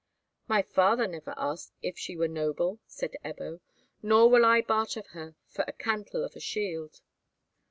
"My father never asked if she were noble," said Ebbo. "Nor will I barter her for a cantle of a shield."